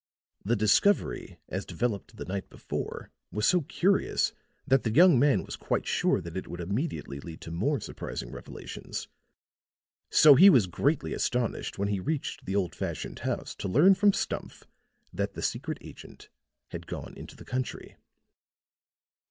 The discovery, as developed the night before, was so curious that the young man was quite sure that it would immediately lead to more surprising revelations. So he was greatly astonished when he reached the old fashioned house to learn from Stumph that the secret agent had gone into the country.